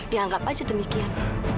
ya anggap aja demikian